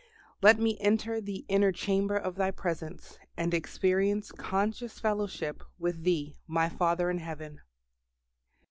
Let me enter the inner chamber of Thy presence, and experience conscious fellowship with Thee my Father in Heaven.